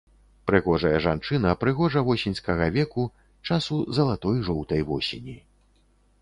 Прыгожая жанчына прыгожа-восеньскага веку, часу залатой, жоўтай восені.